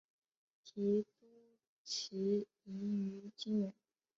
提督旗移于靖远。